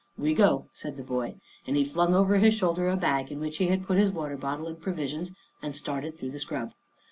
" We go," said the boy, and he flung over his shoulder a bag in which he had put his water bottle and provisions and started through the scrub.